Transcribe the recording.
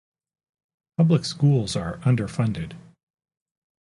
Public schools are underfunded.